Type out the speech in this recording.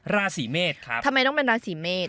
ราศีเมษทำไมต้องเป็นราศีเมษ